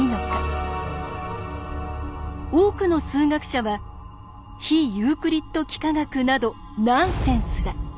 多くの数学者は「非ユークリッド幾何学などナンセンスだ。